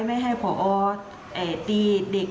ไม่ให้พอแอบตีเด็ก